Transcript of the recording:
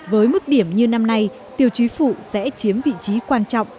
với mức điểm như năm nay tiêu chí phụ sẽ chiếm vị trí quan trọng